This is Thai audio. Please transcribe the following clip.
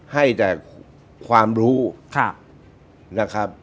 ให้แต่ความรู้นะครับ